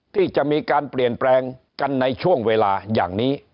ที่จะมีการเปลี่ยนแปลงกันในช่วงเวลาอย่างนี้